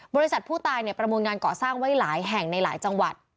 บริษัทผู้ตายประมูลงานเกาะสร้างไว้หลายแห่งในหลายจังหวัด